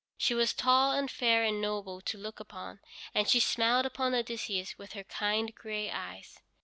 She was tall and fair and noble to look upon, and she smiled upon Odysseus with her kind gray eyes.